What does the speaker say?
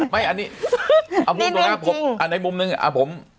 ไม่อันนี้ออกขึ้นตรงแหละผมอันในมุมนึงฮะผม